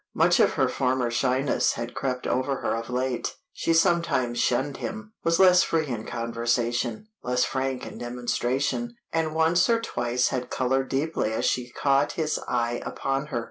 Much of her former shyness had crept over her of late; she sometimes shunned him, was less free in conversation, less frank in demonstration, and once or twice had colored deeply as she caught his eye upon her.